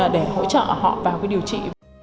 để hỗ trợ họ vào cái điều trị